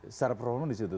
secara performa disitu